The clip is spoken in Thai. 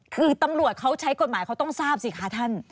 คือตำรวจเขาใช้กฎหมายเขาต้องทราบสิคะท่าน